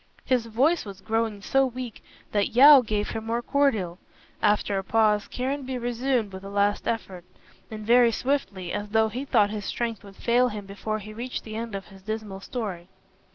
His voice was growing so weak that Yeo gave him more cordial. After a pause Caranby resumed with a last effort, and very swiftly, as though he thought his strength would fail him before he reached the end of his dismal story.